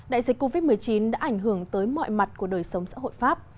đại dịch covid một mươi chín đã ảnh hưởng tới mọi mặt của đời sống xã hội pháp